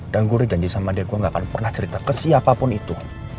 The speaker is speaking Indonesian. dan gue udah janji sama dia gue gak akan pernah cerita ke siapapun itu